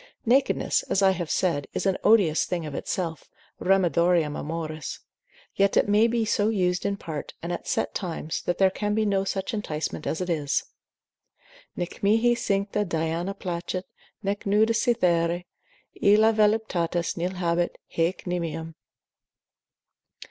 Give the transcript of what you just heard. Nakedness, as I have said, is an odious thing of itself, remedium amoris; yet it may be so used, in part, and at set times, that there can be no such enticement as it is; Nec mihi cincta Diana placet, nec nuda Cythere, Illa voluptatis nil habet, haec nimium.